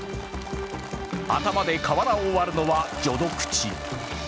頭で瓦を割るのは序の口。